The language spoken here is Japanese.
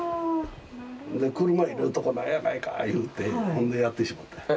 で車入れるとこないやないかいうてほんでやってしもうたんや。